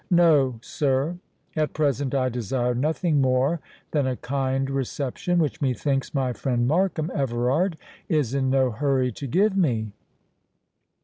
—No, sir; at present I desire nothing more than a kind reception, which, methinks, my friend Markham Everard is in no hurry to give me."